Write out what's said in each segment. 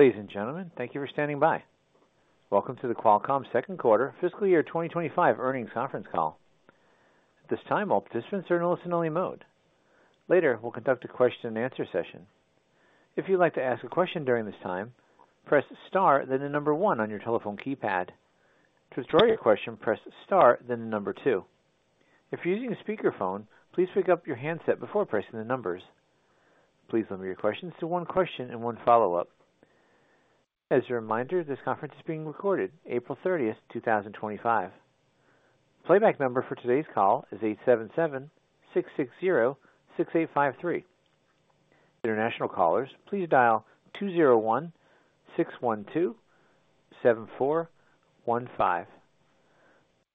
Ladies and gentlemen, thank you for standing by. Welcome to the Qualcomm Second Quarter Fiscal Year 2025 Earnings Conference Call. At this time, all participants are in a listen-only mode. Later, we'll conduct a question-and-answer session. If you'd like to ask a question during this time, press star then the number one on your telephone keypad. To withdraw your question, press star then the number two. If you're using a speakerphone, please pick up your handset before pressing the numbers. Please limit your questions to one question and one follow-up. As a reminder, this conference is being recorded, April 30th, 2025. The playback number for today's call is 877-660-6853. For international callers, please dial 201-612-7415.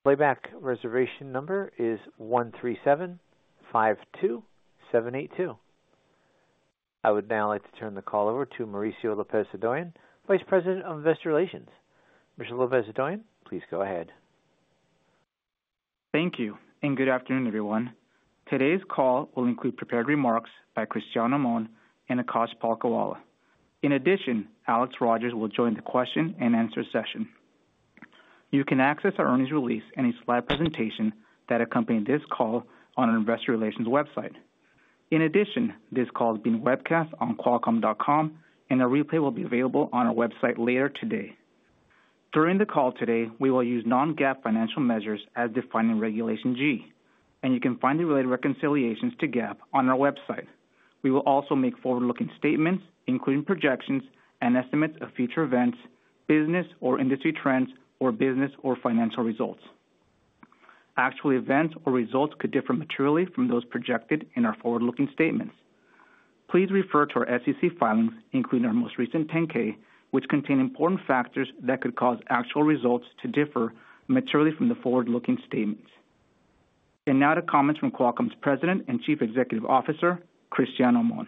Playback reservation number is 137-52-782. I would now like to turn the call over to Mauricio Lopez-Hodoyan, Vice President of Investor Relations. Mr. Lopez-Hodoyan, please go ahead. Thank you, and good afternoon, everyone. Today's call will include prepared remarks by Cristiano Amon and Akash Palkhiwala. In addition, Alex Rogers will join the question-and-answer session. You can access our earnings release and a slide presentation that accompanied this call on our Investor Relations website. In addition, this call is being webcast on Qualcomm dot com, and a replay will be available on our website later today. During the call today, we will use non-GAAP financial measures as defined in Regulation G, and you can find the related reconciliations to GAAP on our website. We will also make forward-looking statements, including projections and estimates of future events, business or industry trends, or business or financial results. Actual events or results could differ materially from those projected in our forward-looking statements. Please refer to our SEC filings, including our most recent 10-K, which contain important factors that could cause actual results to differ materially from the forward-looking statements. Now to comments from Qualcomm's President and Chief Executive Officer, Cristiano Amon.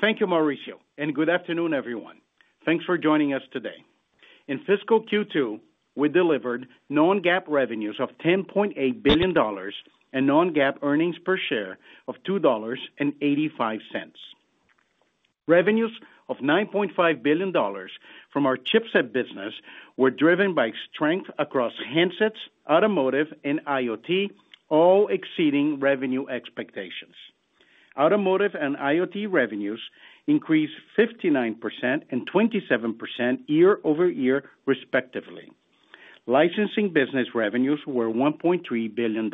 Thank you, Mauricio, and good afternoon, everyone. Thanks for joining us today. In fiscal Q2, we delivered non-GAAP revenues of $10.8 billion and non-GAAP earnings per share of $2.85. Revenues of $9.5 billion from our chipset business were driven by strength across handsets, automotive, and IoT, all exceeding revenue expectations. Automotive and IoT revenues increased 59% and 27% year over year, respectively. Licensing business revenues were $1.3 billion.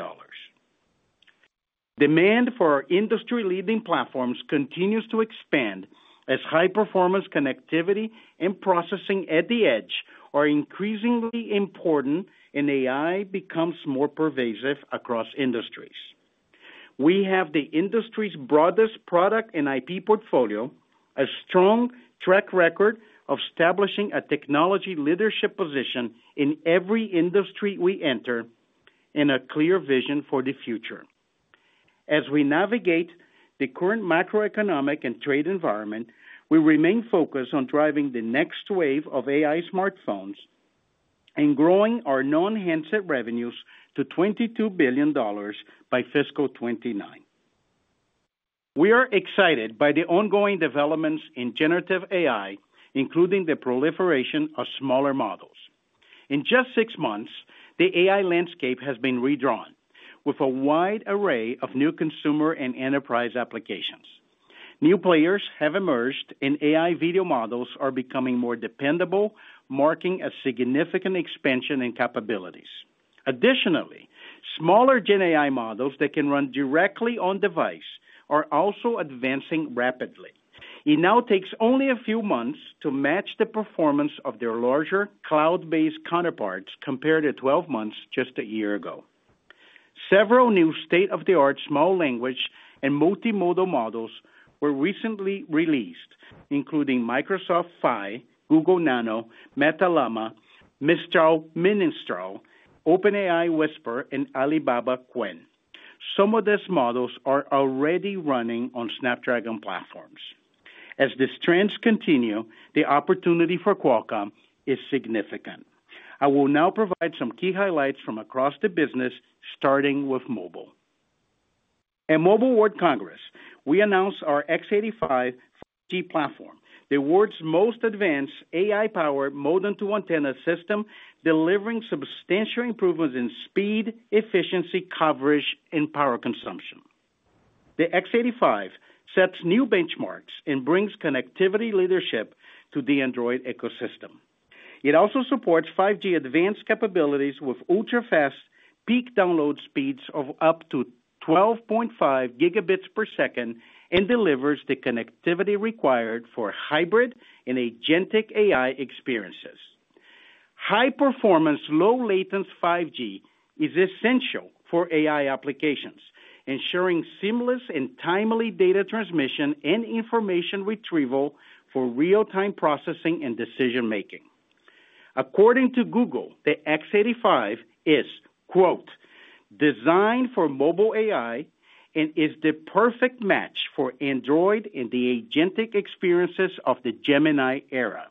Demand for our industry-leading platforms continues to expand as high-performance connectivity and processing at the edge are increasingly important and AI becomes more pervasive across industries. We have the industry's broadest product and IP portfolio, a strong track record of establishing a technology leadership position in every industry we enter, and a clear vision for the future. As we navigate the current macroeconomic and trade environment, we remain focused on driving the next wave of AI smartphones and growing our non-handset revenues to $22 billion by fiscal 2029. We are excited by the ongoing developments in generative AI, including the proliferation of smaller models. In just six months, the AI landscape has been redrawn with a wide array of new consumer and enterprise applications. New players have emerged, and AI video models are becoming more dependable, marking a significant expansion in capabilities. Additionally, smaller Gen AI models that can run directly on device are also advancing rapidly. It now takes only a few months to match the performance of their larger cloud-based counterparts compared to 12 months just a year ago. Several new state-of-the-art small language and multimodal models were recently released, including Microsoft Phi, Google Nano, Meta Llama, Mistral, OpenAI Whisper, and Alibaba Qwen. Some of these models are already running on Snapdragon platforms. As the strengths continue, the opportunity for Qualcomm is significant. I will now provide some key highlights from across the business, starting with mobile. At Mobile World Congress, we announced our X85 5G platform, the world's most advanced AI-powered modem-to-antenna system, delivering substantial improvements in speed, efficiency, coverage, and power consumption. The X85 sets new benchmarks and brings connectivity leadership to the Android ecosystem. It also supports 5G Advanced capabilities with ultra-fast peak download speeds of up to 12.5 Gb per second and delivers the connectivity required for hybrid and agentic AI experiences. High-performance, low-latency 5G is essential for AI applications, ensuring seamless and timely data transmission and information retrieval for real-time processing and decision-making. According to Google, the X85 is, quote, "designed for mobile AI and is the perfect match for Android and the agentic experiences of the Gemini era."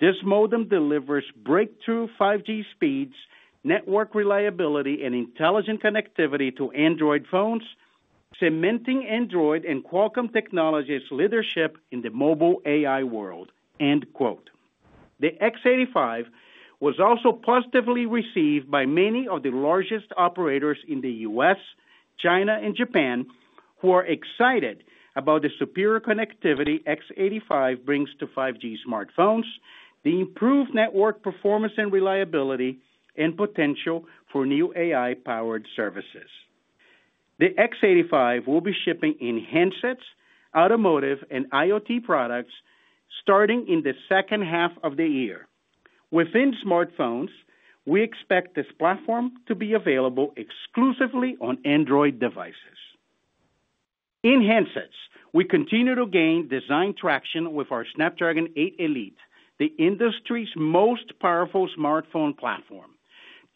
This modem delivers breakthrough 5G speeds, network reliability, and intelligent connectivity to Android phones, cementing Android and Qualcomm Technologies' leadership in the mobile AI world, end quote. The X85 was also positively received by many of the largest operators in the US, China, and Japan, who are excited about the superior connectivity X85 brings to 5G smartphones, the improved network performance and reliability, and potential for new AI-powered services. The X85 will be shipping in handsets, automotive, and IoT products starting in the second half of the year. Within smartphones, we expect this platform to be available exclusively on Android devices. In handsets, we continue to gain design traction with our Snapdragon 8 Elite, the industry's most powerful smartphone platform.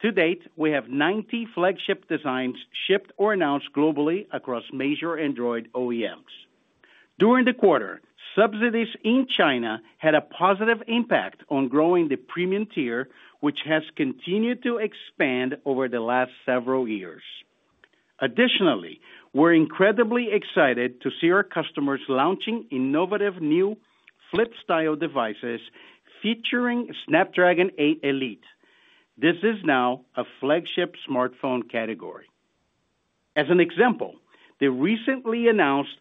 To date, we have 90 flagship designs shipped or announced globally across major Android OEMs. During the quarter, subsidies in China had a positive impact on growing the premium tier, which has continued to expand over the last several years. Additionally, we're incredibly excited to see our customers launching innovative new flip-style devices featuring Snapdragon 8 Elite. This is now a flagship smartphone category. As an example, the recently announced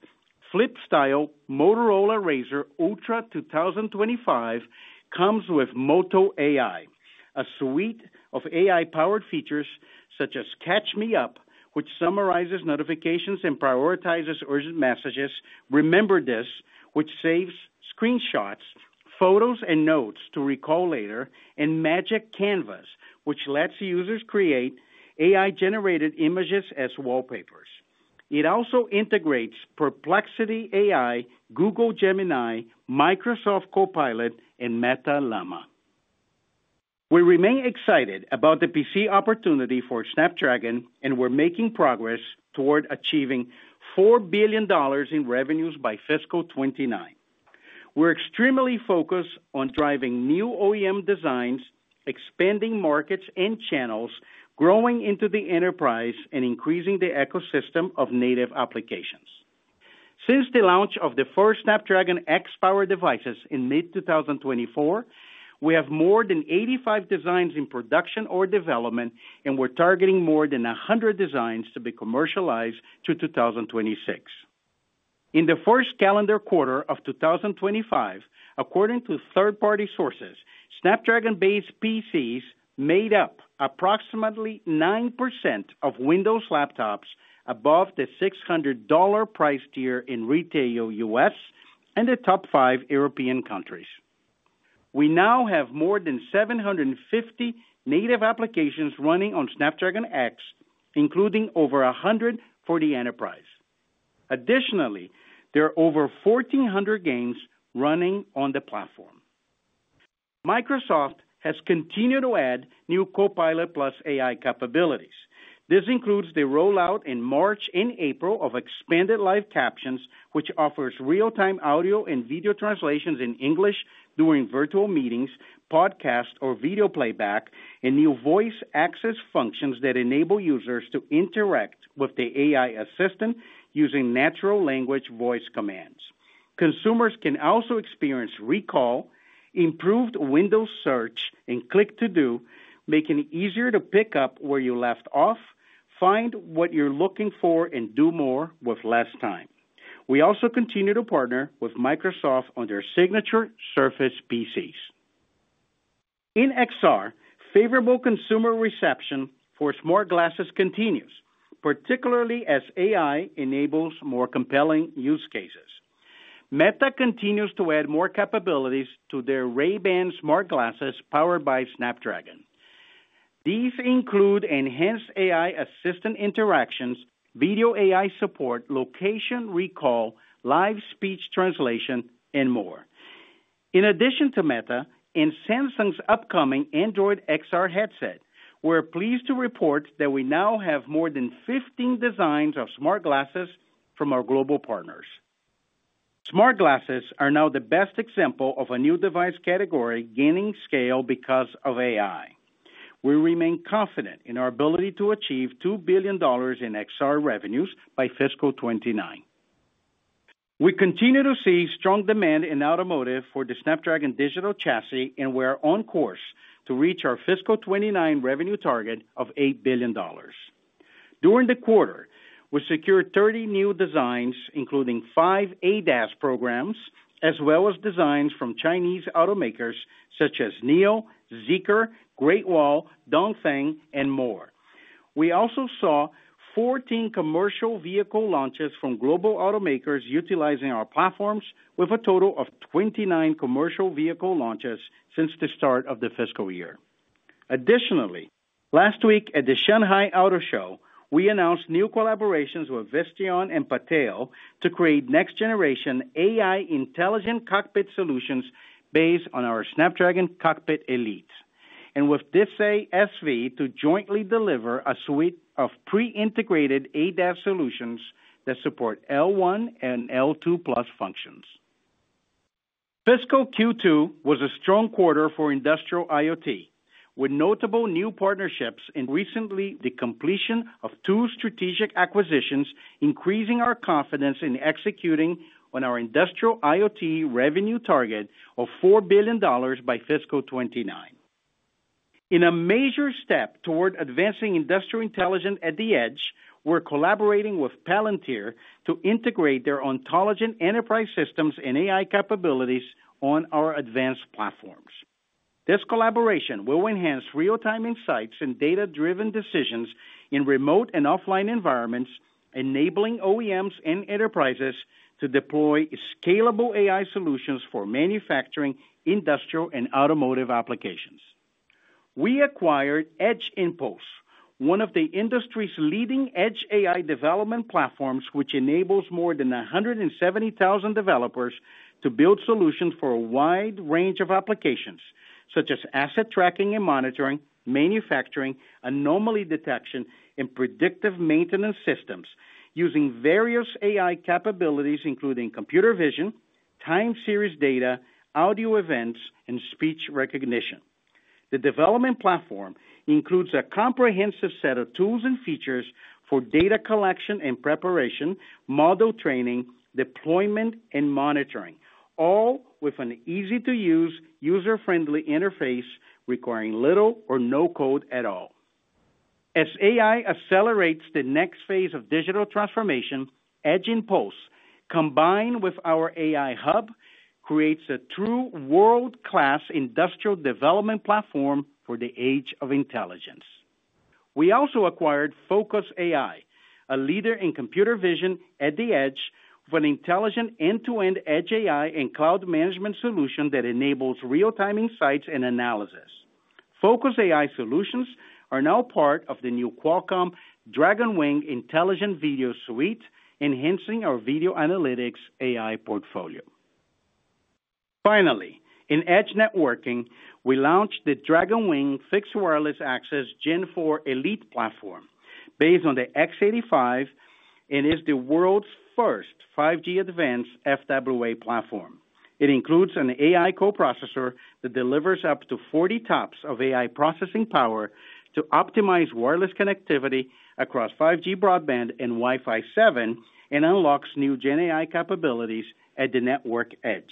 flip-style Motorola Razr Ultra 2025 comes with Moto AI, a suite of AI-powered features such as Catch Me Up, which summarizes notifications and prioritizes urgent messages, Remember This, which saves screenshots, photos, and notes to Recall later, and Magic Canvas, which lets users create AI-generated images as wallpapers. It also integrates Perplexity AI, Google Gemini, Microsoft Copilot, and Meta Llama. We remain excited about the PC opportunity for Snapdragon, and we're making progress toward achieving $4 billion in revenues by fiscal 2029. We're extremely focused on driving new OEM designs, expanding markets and channels, growing into the enterprise, and increasing the ecosystem of native applications. Since the launch of the first Snapdragon X-powered devices in mid-2024, we have more than 85 designs in production or development, and we're targeting more than 100 designs to be commercialized to 2026. In the first calendar quarter of 2025, according to third-party sources, Snapdragon-based PCs made up approximately 9% of Windows laptops above the $600 price tier in retail US and the top five European countries. We now have more than 750 native applications running on Snapdragon X, including over 100 for the enterprise. Additionally, there are over 1,400 games running on the platform. Microsoft has continued to add new Copilot+ AI capabilities. This includes the rollout in March and April of expanded Live Captions, which offers real-time audio and video translations in English during virtual meetings, podcast, or video playback, and new Voice Access functions that enable users to interact with the AI assistant using natural language voice commands. Consumers can also experience Recall, improved Windows search, and Click to Do, making it easier to pick up where you left off, find what you're looking for, and do more with less time. We also continue to partner with Microsoft on their signature Surface PCs. In XR, favorable consumer reception for smart glasses continues, particularly as AI enables more compelling use cases. Meta continues to add more capabilities to their Ray-Ban smart glasses powered by Snapdragon. These include enhanced AI assistant interactions, video AI support, location Recall, live speech translation, and more. In addition to Meta and Samsung's upcoming Android XR headset, we're pleased to report that we now have more than 15 designs of smart glasses from our global partners. Smart glasses are now the best example of a new device category gaining scale because of AI. We remain confident in our ability to achieve $2 billion in XR revenues by fiscal 2029. We continue to see strong demand in automotive for the Snapdragon Digital Chassis, and we are on course to reach our fiscal 2029 revenue target of $8 billion. During the quarter, we secured 30 new designs, including five ADAS programs, as well as designs from Chinese automakers such as Nio, Zeekr, Great Wall Motor, Dongfeng, and more. We also saw 14 commercial vehicle launches from global automakers utilizing our platforms, with a total of 29 commercial vehicle launches since the start of the fiscal year. Additionally, last week at the Shanghai Auto Show, we announced new collaborations with Visteon and Pateo to create next-generation AI intelligent cockpit solutions based on our Snapdragon Cockpit Elite, and with Desay SV to jointly deliver a suite of pre-integrated ADAS solutions that support L1 and L2 plus functions. Fiscal Q2 was a strong quarter for industrial IoT, with notable new partnerships and recently the completion of two strategic acquisitions, increasing our confidence in executing on our industrial IoT revenue target of $4 billion by fiscal 2029. In a major step toward advancing industrial intelligence at the edge, we're collaborating with Palantir to integrate their Ontology enterprise systems and AI capabilities on our advanced platforms. This collaboration will enhance real-time insights and data-driven decisions in remote and offline environments, enabling OEMs and enterprises to deploy scalable AI solutions for manufacturing, industrial, and automotive applications. We acquired Edge Impulse, one of the industry's leading edge AI development platforms, which enables more than 170,000 developers to build solutions for a wide range of applications such as asset tracking and monitoring, manufacturing, anomaly detection, and predictive maintenance systems, using various AI capabilities, including computer vision, time series data, audio events, and speech recognition. The development platform includes a comprehensive set of tools and features for data collection and preparation, model training, deployment, and monitoring, all with an easy-to-use, user-friendly interface requiring little or no code at all. As AI accelerates the next phase of digital transformation, Edge Impulse, combined with our AI hub, creates a true world-class industrial development platform for the age of intelligence. We also acquired Focus AI, a leader in computer vision at the edge of an intelligent end-to-end edge AI and cloud management solution that enables real-time insights and analysis. Focus AI solutions are now part of the new Qualcomm Dragon Wing intelligent video suite, enhancing our video analytics AI portfolio. Finally, in edge networking, we launched the Dragon Wing Fixed Wireless Access Gen 4 Elite platform based on the X85 and is the world's first 5G Advanced FWA platform. It includes an AI co-processor that delivers up to 40 TOPS of AI processing power to optimize wireless connectivity across 5G broadband and Wi-Fi 7 and unlocks new Gen AI capabilities at the network edge.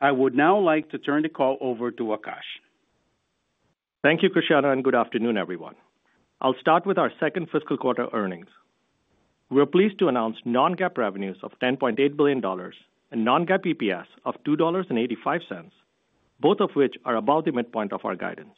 I would now like to turn the call over to Akash. Thank you, Cristiano, and good afternoon, everyone. I'll start with our second fiscal quarter earnings. We're pleased to announce non-GAAP revenues of $10.8 billion and non-GAAP EPS of $2.85, both of which are above the midpoint of our guidance.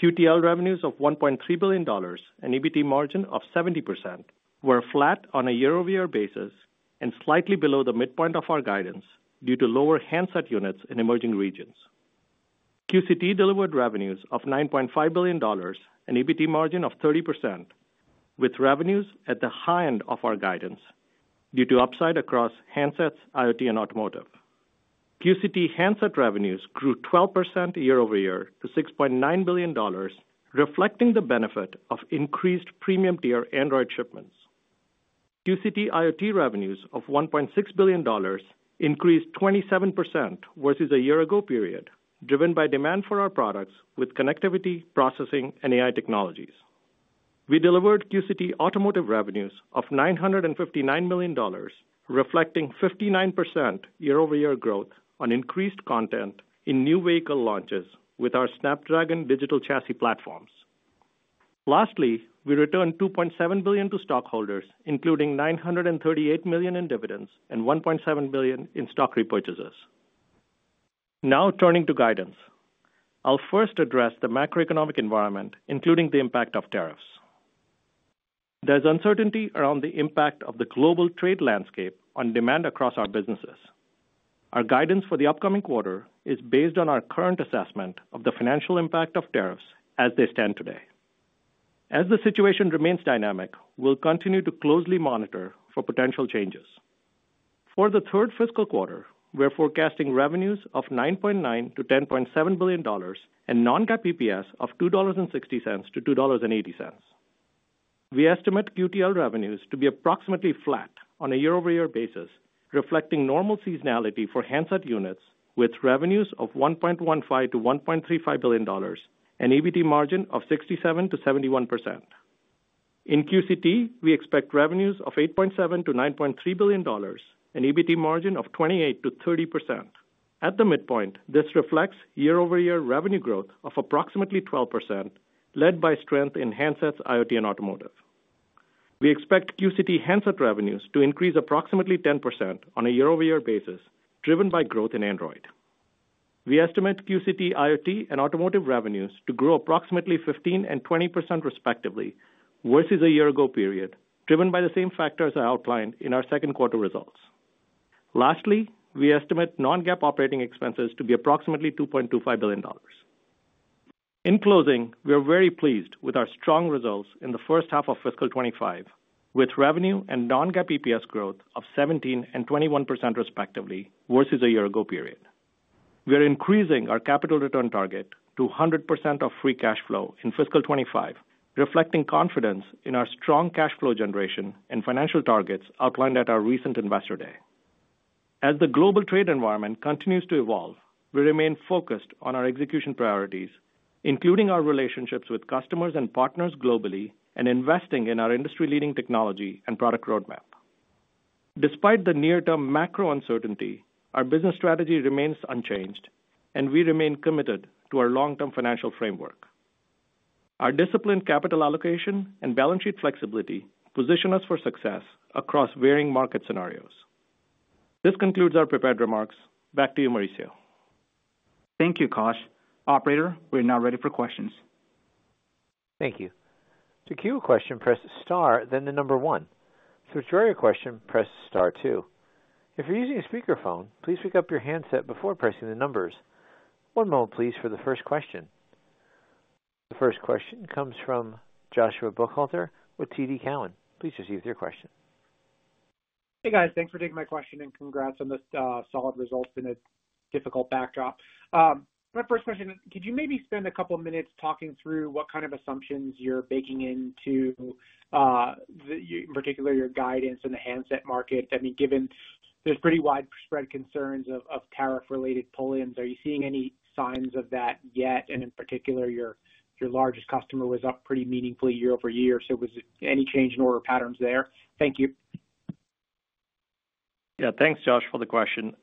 QTL revenues of $1.3 billion and EBITDA margin of 70% were flat on a year-over-year basis and slightly below the midpoint of our guidance due to lower handset units in emerging regions. QCT delivered revenues of $9.5 billion and EBITDA margin of 30%, with revenues at the high end of our guidance due to upside across handsets, IoT, and automotive. QCT handset revenues grew 12% year-over-year to $6.9 billion, reflecting the benefit of increased premium-tier Android shipments. QCT IoT revenues of $1.6 billion increased 27% versus a year-ago period, driven by demand for our products with connectivity, processing, and AI technologies. We delivered QCT automotive revenues of $959 million, reflecting 59% year-over-year growth on increased content in new vehicle launches with our Snapdragon Digital Chassis platforms. Lastly, we returned $2.7 billion to stockholders, including $938 million in dividends and $1.7 billion in stock repurchases. Now turning to guidance, I'll first address the macroeconomic environment, including the impact of tariffs. There's uncertainty around the impact of the global trade landscape on demand across our businesses. Our guidance for the upcoming quarter is based on our current assessment of the financial impact of tariffs as they stand today. As the situation remains dynamic, we'll continue to closely monitor for potential changes. For the third fiscal quarter, we're forecasting revenues of $9.9 billion-$10.7 billion and non-GAAP EPS of $2.60-$2.80. We estimate QTL revenues to be approximately flat on a year-over-year basis, reflecting normal seasonality for handset units with revenues of $1.15 billion-$1.35 billion and EBITDA margin of 67%-71%. In QCT, we expect revenues of $8.7 billion-$9.3 billion and EBITDA margin of 28%-30%. At the midpoint, this reflects year-over-year revenue growth of approximately 12%, led by strength in handsets, IoT, and automotive. We expect QCT handset revenues to increase approximately 10% on a year-over-year basis, driven by growth in Android. We estimate QCT IoT and automotive revenues to grow approximately 15% and 20% respectively versus a year-ago period, driven by the same factors I outlined in our second quarter results. Lastly, we estimate non-GAAP operating expenses to be approximately $2.25 billion. In closing, we are very pleased with our strong results in the first half of fiscal 2025, with revenue and non-GAAP EPS growth of 17% and 21% respectively versus a year-ago period. We are increasing our capital return target to 100% of free cash flow in fiscal 2025, reflecting confidence in our strong cash flow generation and financial targets outlined at our recent investor day. As the global trade environment continues to evolve, we remain focused on our execution priorities, including our relationships with customers and partners globally and investing in our industry-leading technology and product roadmap. Despite the near-term macro uncertainty, our business strategy remains unchanged, and we remain committed to our long-term financial framework. Our disciplined capital allocation and balance sheet flexibility position us for success across varying market scenarios. This concludes our prepared remarks. Back to you, Mauricio. Thank you, Akash. Operator, we're now ready for questions. Thank you. To queue a question, press star, then the number one. To return your question, press star two. If you're using a speakerphone, please pick up your handset before pressing the numbers. One moment, please, for the first question. The first question comes from Joshua Buchalter with TD Cowen. Please proceed with your question. Hey, guys. Thanks for taking my question and congrats on the solid results in a difficult backdrop. My first question: could you maybe spend a couple of minutes talking through what kind of assumptions you're baking into particularly your guidance in the handset market? I mean, given there's pretty widespread concerns of tariff-related pullings, are you seeing any signs of that yet? In particular, your largest customer was up pretty meaningfully year-over-year. Was it any change in order patterns there? Thank you. Yeah. Thanks, Josh, for the question.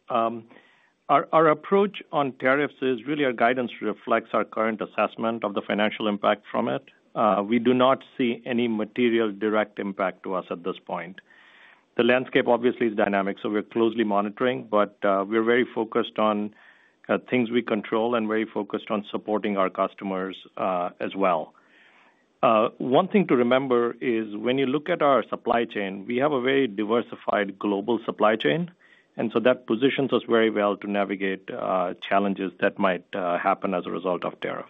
Our approach on tariffs is really our guidance reflects our current assessment of the financial impact from it. We do not see any material direct impact to us at this point. The landscape obviously is dynamic, so we're closely monitoring, but we're very focused on things we control and very focused on supporting our customers as well. One thing to remember is when you look at our supply chain, we have a very diversified global supply chain, and that positions us very well to navigate challenges that might happen as a result of tariffs.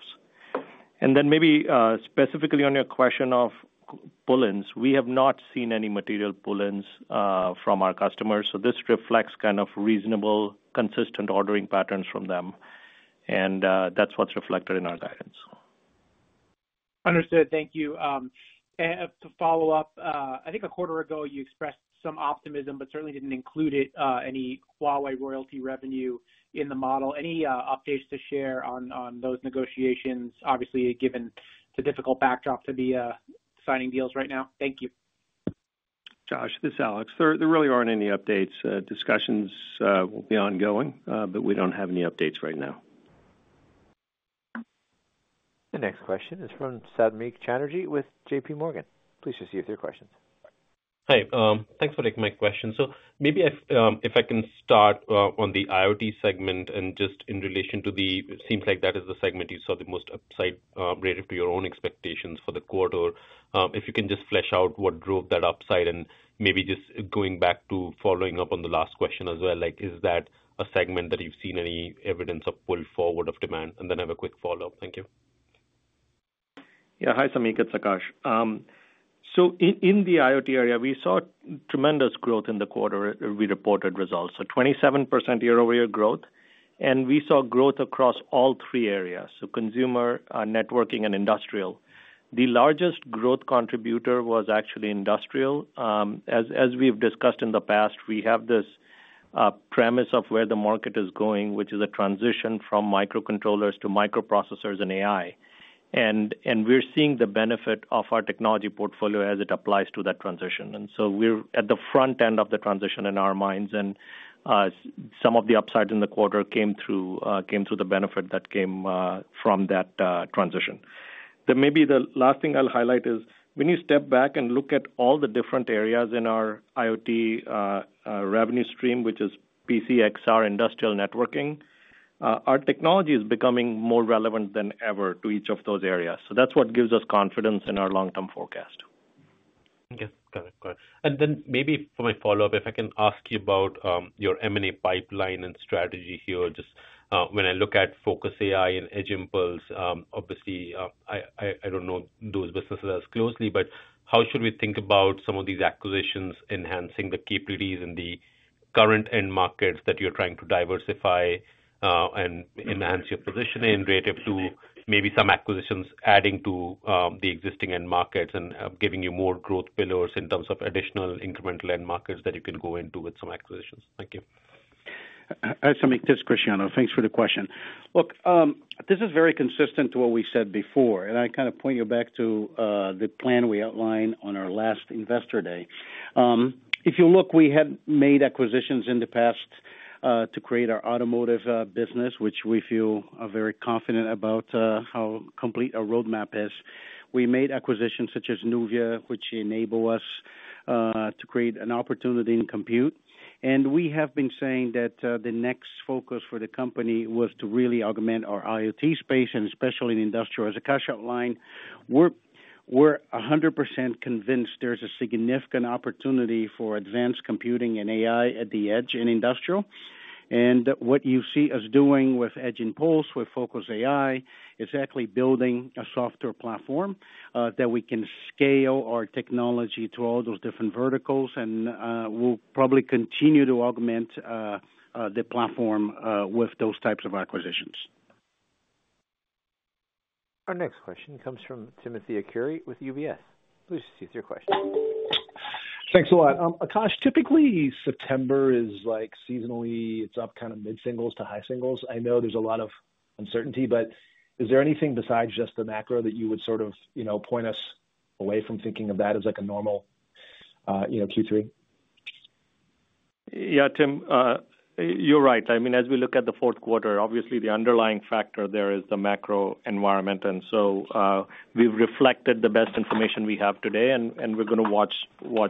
Maybe specifically on your question of pullings, we have not seen any material pullings from our customers, so this reflects kind of reasonable consistent ordering patterns from them, and that's what's reflected in our guidance. Understood. Thank you. To follow up, I think a quarter ago you expressed some optimism, but certainly did not include any Huawei royalty revenue in the model. Any updates to share on those negotiations, obviously given the difficult backdrop to be signing deals right now? Thank you. Josh, this is Alex. There really are not any updates. Discussions will be ongoing, but we do not have any updates right now. The next question is from Samik Chatterjee with JPMorgan. Please proceed with your questions. Hi. Thanks for taking my question. Maybe if I can start on the IoT segment and just in relation to it, it seems like that is the segment you saw the most upside relative to your own expectations for the quarter. If you can just flesh out what drove that upside and maybe just going back to following up on the last question as well, is that a segment that you've seen any evidence of pull forward of demand? I have a quick follow-up. Thank you. Yeah. Hi, Samik. It's Akash. In the IoT area, we saw tremendous growth in the quarter we reported results. 27% year-over-year growth, and we saw growth across all three areas: consumer, networking, and industrial. The largest growth contributor was actually industrial. As we've discussed in the past, we have this premise of where the market is going, which is a transition from microcontrollers to microprocessors and AI. We're seeing the benefit of our technology portfolio as it applies to that transition. We're at the front end of the transition in our minds, and some of the upsides in the quarter came through the benefit that came from that transition. Maybe the last thing I'll highlight is when you step back and look at all the different areas in our IoT revenue stream, which is PCXR, industrial networking, our technology is becoming more relevant than ever to each of those areas. That's what gives us confidence in our long-term forecast. Okay. Got it. Got it. Maybe for my follow-up, if I can ask you about your M&A pipeline and strategy here, just when I look at Focus AI and Edge Impulse, obviously, I do not know those businesses as closely, but how should we think about some of these acquisitions enhancing the capabilities in the current end markets that you are trying to diversify and enhance your positioning relative to maybe some acquisitions adding to the existing end markets and giving you more growth pillars in terms of additional incremental end markets that you can go into with some acquisitions? Thank you. Samik, this is Cristiano. Thanks for the question. Look, this is very consistent to what we said before, and I kind of point you back to the plan we outlined on our last investor day. If you look, we had made acquisitions in the past to create our automotive business, which we feel very confident about how complete our roadmap is. We made acquisitions such as Nuvia, which enabled us to create an opportunity in compute. We have been saying that the next focus for the company was to really augment our IoT space, and especially in industrial. As Akash outlined, we're 100% convinced there's a significant opportunity for advanced computing and AI at the edge in industrial. What you see us doing with Edge Impulse, with Focus AI, is actually building a software platform that we can scale our technology to all those different verticals, and we'll probably continue to augment the platform with those types of acquisitions. Our next question comes from Timothy Arcuri with UBS. Please proceed with your question. Thanks a lot. Akash, typically, September is seasonally, it's up kind of mid-singles to high singles. I know there's a lot of uncertainty, but is there anything besides just the macro that you would sort of point us away from thinking of that as a normal Q3? Yeah, Tim, you're right. I mean, as we look at the fourth quarter, obviously, the underlying factor there is the macro environment. We have reflected the best information we have today, and we're going to watch,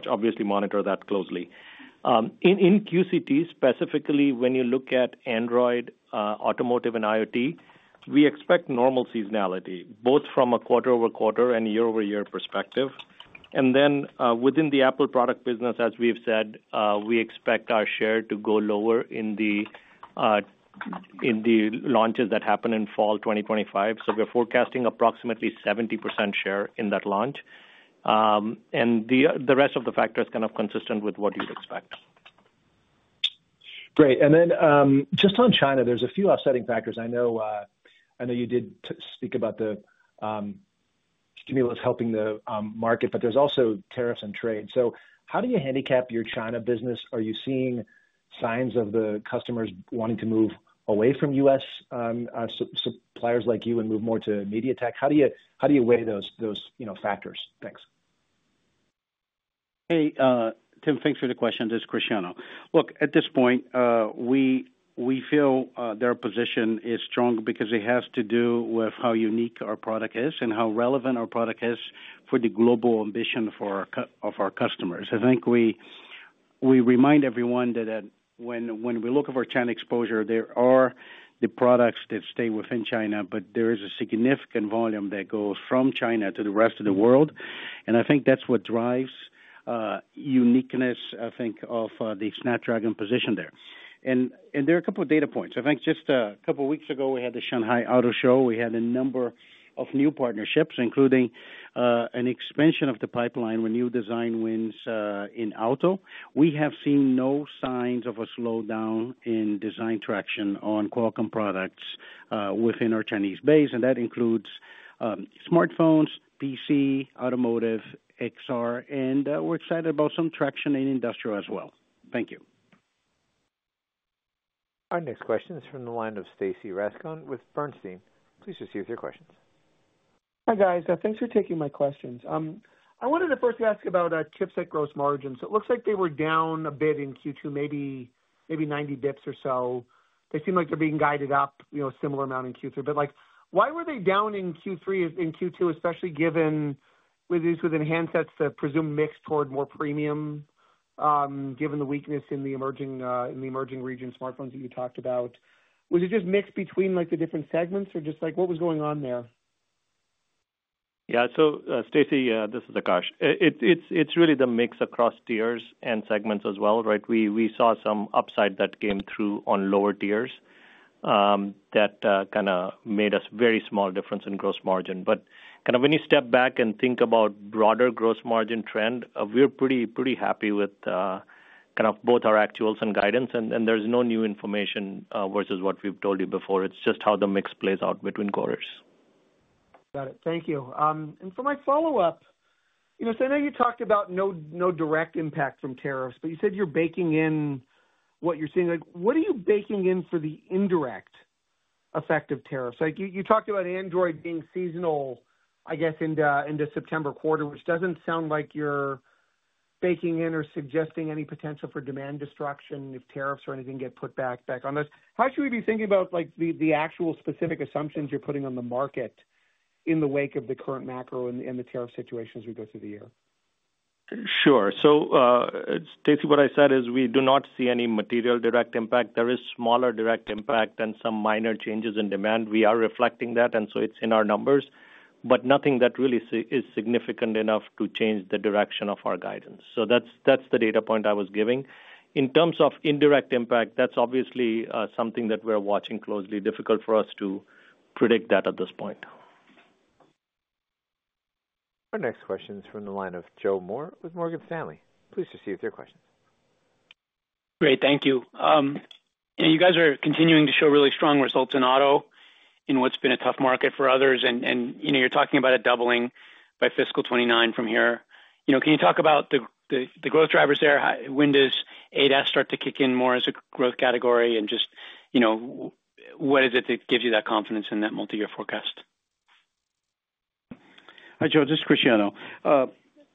obviously, monitor that closely. In QCT, specifically, when you look at Android, automotive, and IoT, we expect normal seasonality, both from a quarter-over-quarter and year-over-year perspective. Within the Apple product business, as we've said, we expect our share to go lower in the launches that happen in fall 2025. We are forecasting approximately 70% share in that launch. The rest of the factor is kind of consistent with what you'd expect. Great. Just on China, there's a few upsetting factors. I know you did speak about the stimulus helping the market, but there's also tariffs and trade. How do you handicap your China business? Are you seeing signs of the customers wanting to move away from US suppliers like you and move more to MediaTek? How do you weigh those factors? Thanks. Hey, Tim, thanks for the question. This is Cristiano. Look, at this point, we feel their position is strong because it has to do with how unique our product is and how relevant our product is for the global ambition of our customers. I think we remind everyone that when we look at our China exposure, there are the products that stay within China, but there is a significant volume that goes from China to the rest of the world. I think that's what drives uniqueness, I think, of the Snapdragon position there. There are a couple of data points. I think just a couple of weeks ago, we had the Shanghai Auto Show. We had a number of new partnerships, including an expansion of the pipeline with new design wins in auto. We have seen no signs of a slowdown in design traction on Qualcomm products within our Chinese base. That includes smartphones, PC, automotive, XR, and we're excited about some traction in industrial as well. Thank you. Our next question is from the line of Stacy Rasgon with Bernstein. Please proceed with your questions. Hi, guys. Thanks for taking my questions. I wanted to first ask about Chipset gross margins. It looks like they were down a bit in Q2, maybe 90 basis points or so. They seem like they're being guided up a similar amount in Q3. Why were they down in Q3, especially given with these within handsets, the presumed mix toward more premium, given the weakness in the emerging region smartphones that you talked about? Was it just mix between the different segments, or just what was going on there? Yeah. Stacy, this is Akash. It's really the mix across tiers and segments as well, right? We saw some upside that came through on lower tiers that kind of made a very small difference in gross margin. When you step back and think about broader gross margin trend, we're pretty happy with both our actuals and guidance. There is no new information versus what we've told you before. It's just how the mix plays out between quarters. Got it. Thank you. For my follow-up, I know you talked about no direct impact from tariffs, but you said you're baking in what you're seeing. What are you baking in for the indirect effect of tariffs? You talked about Android being seasonal, I guess, into the September quarter, which doesn't sound like you're baking in or suggesting any potential for demand destruction if tariffs or anything get put back on this. How should we be thinking about the actual specific assumptions you're putting on the market in the wake of the current macro and the tariff situation as we go through the year? Sure. Stacy, what I said is we do not see any material direct impact. There is smaller direct impact and some minor changes in demand. We are reflecting that, and so it's in our numbers, but nothing that really is significant enough to change the direction of our guidance. That's the data point I was giving. In terms of indirect impact, that's obviously something that we're watching closely. Difficult for us to predict that at this point. Our next question is from the line of Joe Moore with Morgan Stanley. Please proceed with your questions. Great. Thank you. You guys are continuing to show really strong results in auto in what's been a tough market for others. And you're talking about a doubling by fiscal 2029 from here. Can you talk about the growth drivers there? When does ADAS start to kick in more as a growth category, and just what is it that gives you that confidence in that multi-year forecast? Hi, Joe. This is Cristiano.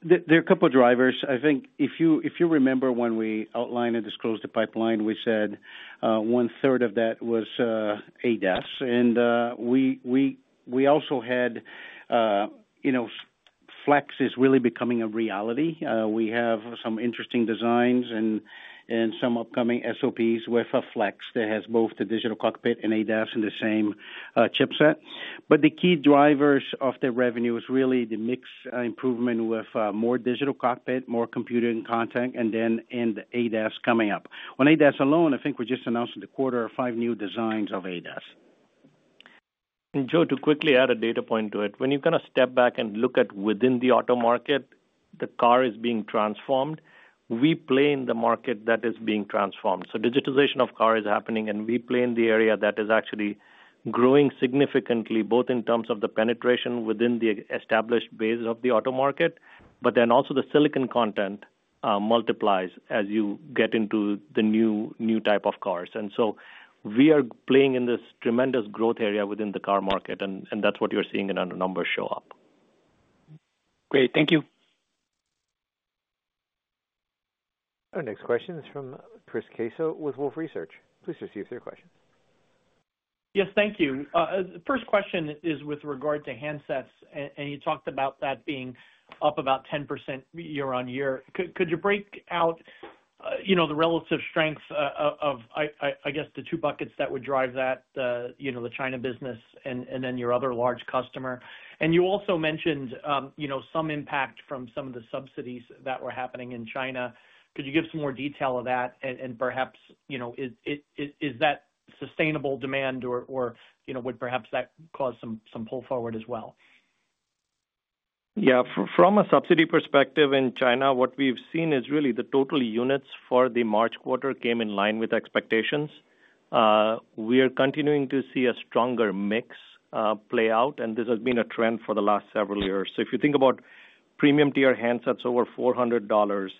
There are a couple of drivers. I think if you remember when we outlined and disclosed the pipeline, we said one-third of that was ADAS. We also had Flex is really becoming a reality. We have some interesting designs and some upcoming SOPs with a Flex that has both the digital cockpit and ADAS in the same chipset. The key drivers of the revenue is really the mixed improvement with more digital cockpit, more computing content, and then end ADAS coming up. On ADAS alone, I think we just announced in the quarter five new designs of ADAS. Joe, to quickly add a data point to it, when you kind of step back and look at within the auto market, the car is being transformed. We play in the market that is being transformed. Digitization of car is happening, and we play in the area that is actually growing significantly, both in terms of the penetration within the established base of the auto market, but then also the silicon content multiplies as you get into the new type of cars. We are playing in this tremendous growth area within the car market, and that's what you're seeing in our numbers show up. Great. Thank you. Our next question is from Chris Caso with Wolfe Research. Please proceed with your question. Yes, thank you. The first question is with regard to handsets, and you talked about that being up about 10% year-on-year. Could you break out the relative strength of, I guess, the two buckets that would drive that, the China business and then your other large customer? You also mentioned some impact from some of the subsidies that were happening in China. Could you give some more detail of that, and perhaps is that sustainable demand, or would perhaps that cause some pull forward as well? Yeah. From a subsidy perspective in China, what we've seen is really the total units for the March quarter came in line with expectations. We are continuing to see a stronger mix play out, and this has been a trend for the last several years. If you think about premium-tier handsets over $400,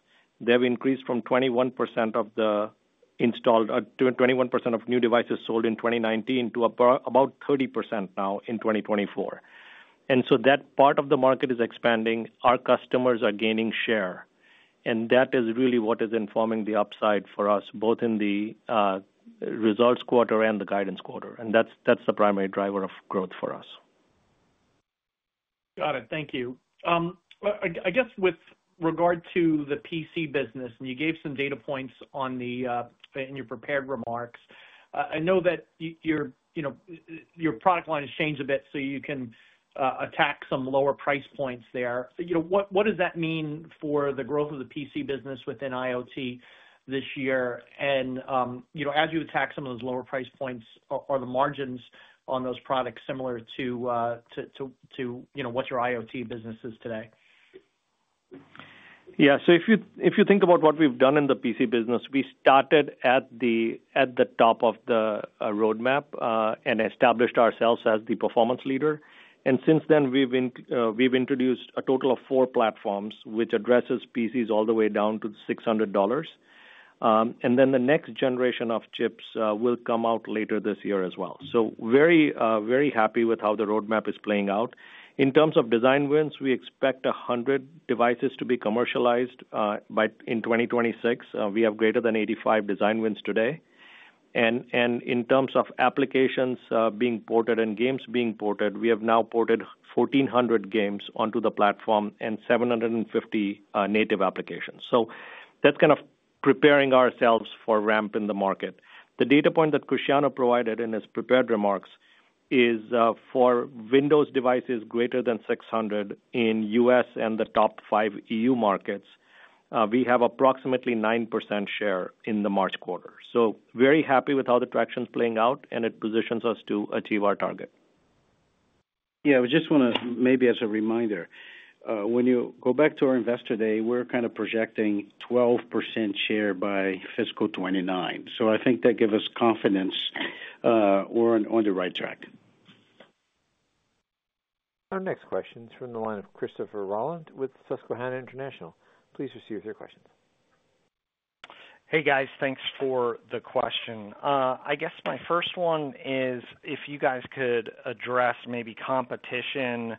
they've increased from 21% of the installed, 21% of new devices sold in 2019 to about 30% now in 2024. That part of the market is expanding. Our customers are gaining share, and that is really what is informing the upside for us, both in the results quarter and the guidance quarter. That's the primary driver of growth for us. Got it. Thank you. I guess with regard to the PC business, and you gave some data points in your prepared remarks. I know that your product line has changed a bit, so you can attack some lower price points there. What does that mean for the growth of the PC business within IoT this year? And as you attack some of those lower price points, are the margins on those products similar to what your IoT business is today? Yeah. If you think about what we've done in the PC business, we started at the top of the roadmap and established ourselves as the performance leader. Since then, we've introduced a total of four platforms, which addresses PCs all the way down to $600. The next generation of chips will come out later this year as well. Very happy with how the roadmap is playing out. In terms of design wins, we expect 100 devices to be commercialized in 2026. We have greater than 85 design wins today. In terms of applications being ported and games being ported, we have now ported 1,400 games onto the platform and 750 native applications. That is kind of preparing ourselves for ramp in the market. The data point that Cristiano provided in his prepared remarks is for Windows devices greater than $600 in the US and the top five European countries, we have approximately 9% share in the March quarter. Very happy with how the traction's playing out, and it positions us to achieve our target. Yeah. I just want to maybe as a reminder, when you go back to our investor day, we're kind of projecting 12% share by fiscal 2029. I think that gives us confidence we're on the right track. Our next question is from the line of Christopher Rolland with Susquehanna International. Please proceed with your questions. Hey, guys. Thanks for the question. I guess my first one is if you guys could address maybe competition,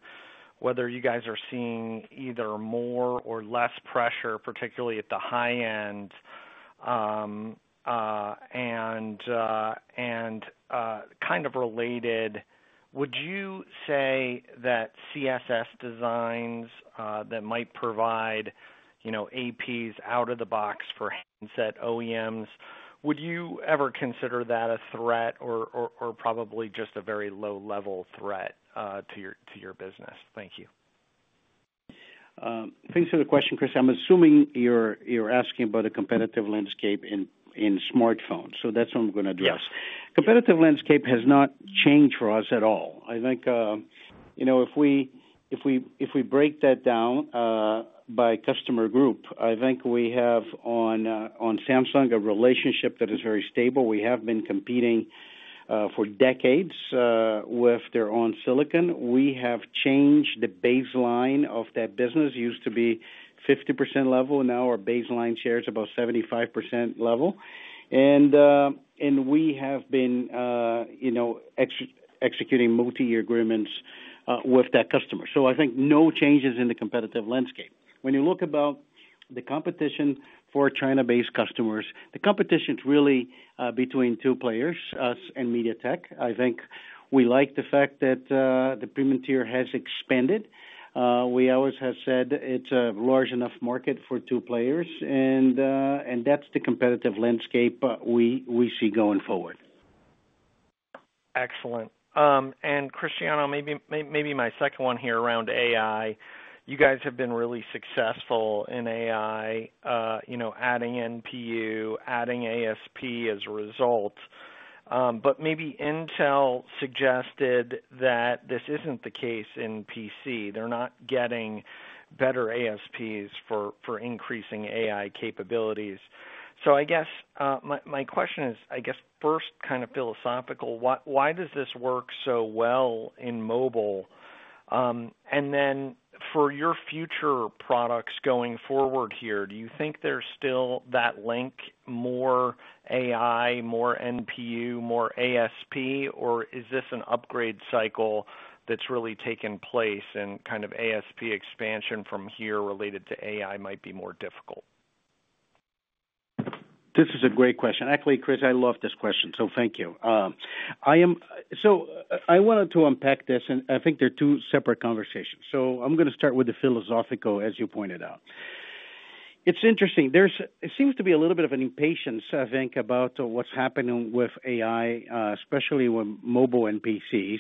whether you guys are seeing either more or less pressure, particularly at the high end, and kind of related, would you say that CSS designs that might provide APs out of the box for handset OEMs, would you ever consider that a threat or probably just a very low-level threat to your business? Thank you. Thanks for the question, Chris. I'm assuming you're asking about a competitive landscape in smartphones. That's what I'm going to address. Competitive landscape has not changed for us at all. I think if we break that down by customer group, I think we have on Samsung a relationship that is very stable. We have been competing for decades with their own silicon. We have changed the baseline of that business. It used to be 50% level. Now our baseline share is about 75% level. We have been executing multi-year agreements with that customer. I think no changes in the competitive landscape. When you look about the competition for China-based customers, the competition's really between two players, us and MediaTek. I think we like the fact that the premium tier has expanded. We always have said it's a large enough market for two players. That's the competitive landscape we see going forward. Excellent. Cristiano, maybe my second one here around AI. You guys have been really successful in AI, adding NPU, adding ASP as a result. Maybe Intel suggested that this isn't the case in PC. They're not getting better ASPs for increasing AI capabilities. I guess my question is, first, kind of philosophical, why does this work so well in mobile? For your future products going forward here, do you think there's still that link, more AI, more NPU, more ASP, or is this an upgrade cycle that's really taken place and kind of ASP expansion from here related to AI might be more difficult? This is a great question. Actually, Chris, I love this question, so thank you. I wanted to unpack this, and I think they're two separate conversations. I'm going to start with the philosophical, as you pointed out. It's interesting. It seems to be a little bit of an impatience, I think, about what's happening with AI, especially with mobile and PCs.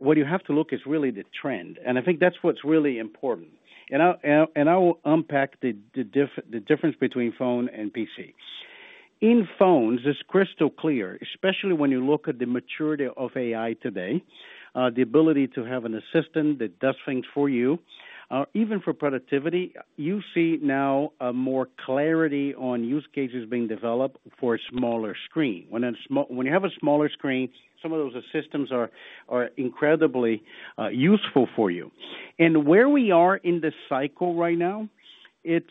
What you have to look at is really the trend. I think that's what's really important. I will unpack the difference between phone and PC. In phones, it's crystal clear, especially when you look at the maturity of AI today, the ability to have an assistant that does things for you, even for productivity. You see now more clarity on use cases being developed for a smaller screen. When you have a smaller screen, some of those assistants are incredibly useful for you. Where we are in the cycle right now, it's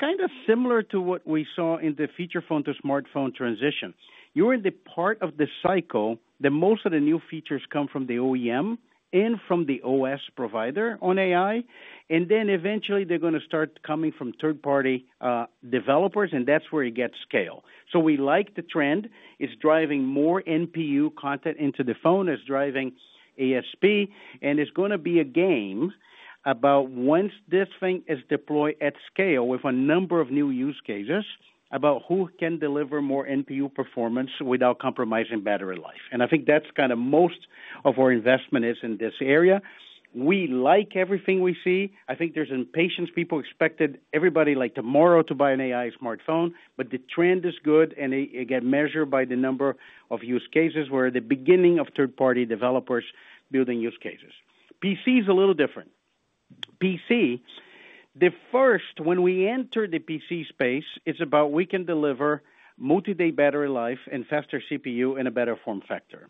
kind of similar to what we saw in the feature phone to smartphone transition. You're in the part of the cycle that most of the new features come from the OEM and from the OS provider on AI. Eventually, they're going to start coming from third-party developers, and that's where it gets scale. We like the trend. It's driving more NPU content into the phone. It's driving ASP. It's going to be a game about once this thing is deployed at scale with a number of new use cases about who can deliver more NPU performance without compromising battery life. I think that's kind of most of our investment is in this area. We like everything we see. I think there's impatience. People expected everybody like tomorrow to buy an AI smartphone, but the trend is good, and it got measured by the number of use cases where the beginning of third-party developers building use cases. PC is a little different. PC, the first, when we enter the PC space, it's about we can deliver multi-day battery life and faster CPU and a better form factor.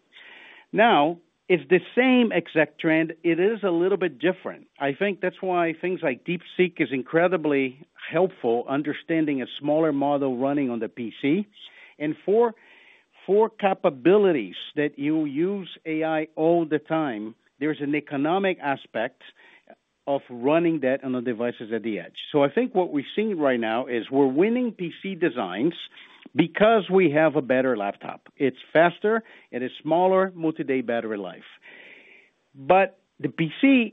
Now, it's the same exact trend. It is a little bit different. I think that's why things like DeepSeek is incredibly helpful understanding a smaller model running on the PC. And for capabilities that you use AI all the time, there's an economic aspect of running that on the devices at the edge. I think what we're seeing right now is we're winning PC designs because we have a better laptop. It's faster. It is smaller, multi-day battery life. The PC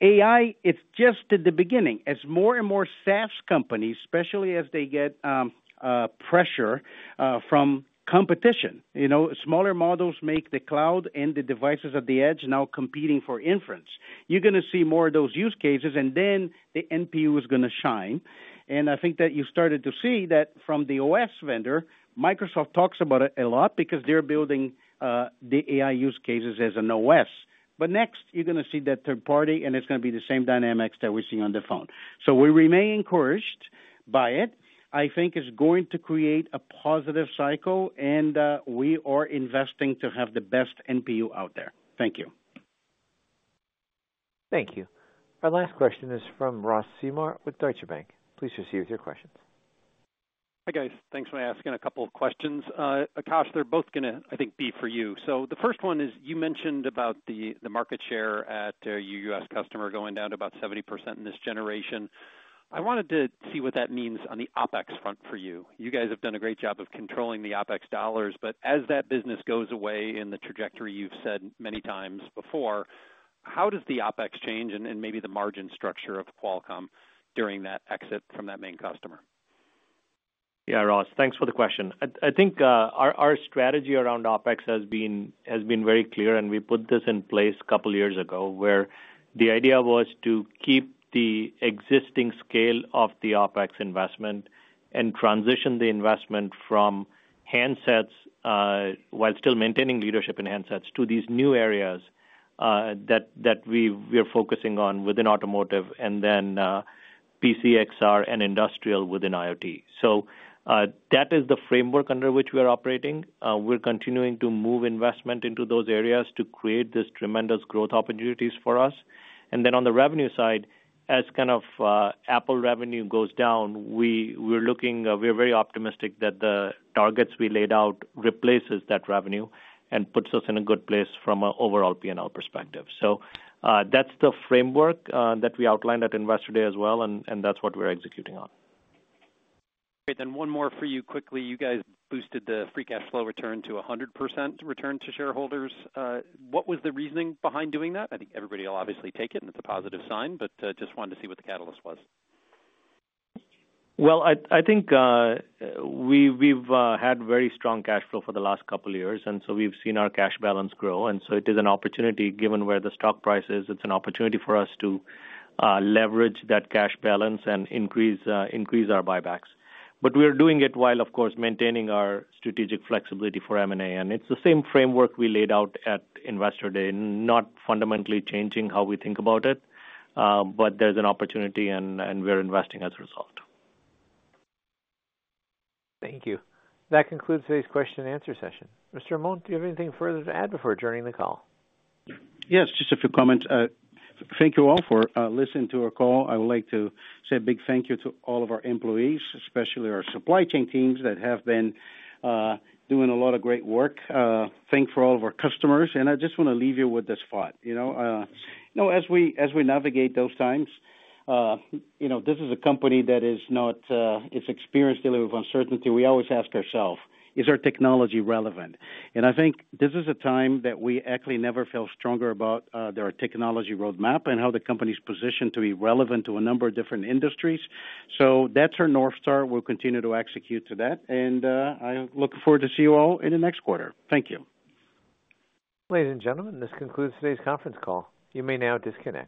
AI, it's just at the beginning. As more and more SaaS companies, especially as they get pressure from competition, smaller models make the cloud and the devices at the edge now competing for inference. You're going to see more of those use cases, and then the NPU is going to shine. I think that you started to see that from the OS vendor. Microsoft talks about it a lot because they're building the AI use cases as an OS. Next, you're going to see that third party, and it's going to be the same dynamics that we're seeing on the phone. We remain encouraged by it. I think it's going to create a positive cycle, and we are investing to have the best NPU out there. Thank you. Thank you. Our last question is from Ross Seymore with Deutsche Bank. Please proceed with your questions. Hi, guys. Thanks for asking a couple of questions. Akash, they're both going to, I think, be for you. The first one is you mentioned about the market share at your US customer going down to about 70% in this generation. I wanted to see what that means on the OpEx front for you. You guys have done a great job of controlling the OpEx dollars, but as that business goes away in the trajectory you've said many times before, how does the OpEx change and maybe the margin structure of Qualcomm during that exit from that main customer? Yeah, Ross, thanks for the question. I think our strategy around OpEx has been very clear, and we put this in place a couple of years ago where the idea was to keep the existing scale of the OpEx investment and transition the investment from handsets while still maintaining leadership in handsets to these new areas that we are focusing on within automotive and then PC, XR, and industrial within IoT. That is the framework under which we are operating. We're continuing to move investment into those areas to create these tremendous growth opportunities for us. On the revenue side, as kind of Apple revenue goes down, we're very optimistic that the targets we laid out replace that revenue and put us in a good place from an overall P&L perspective. That is the framework that we outlined at Investor Day as well, and that's what we're executing on. Great. One more for you quickly. You guys boosted the free cash flow return to 100% return to shareholders. What was the reasoning behind doing that? I think everybody will obviously take it, and it's a positive sign, but just wanted to see what the catalyst was. I think we've had very strong cash flow for the last couple of years, and so we've seen our cash balance grow. It is an opportunity given where the stock price is. It's an opportunity for us to leverage that cash balance and increase our buybacks. We're doing it while, of course, maintaining our strategic flexibility for M&A. It's the same framework we laid out at Investor Day, not fundamentally changing how we think about it, but there's an opportunity, and we're investing as a result. Thank you. That concludes today's question-and-answer session. Mr. Amon, do you have anything further to add before adjourning the call? Yes, just a few comments. Thank you all for listening to our call. I would like to say a big thank you to all of our employees, especially our supply chain teams that have been doing a lot of great work. Thank you for all of our customers. I just want to leave you with this thought. As we navigate those times, this is a company that is not experienced dealing with uncertainty. We always ask ourselves, is our technology relevant? I think this is a time that we actually never felt stronger about our technology roadmap and how the company's positioned to be relevant to a number of different industries. That is our North Star. We will continue to execute to that. I look forward to seeing you all in the next quarter. Thank you. Ladies and gentlemen, this concludes today's conference call. You may now disconnect.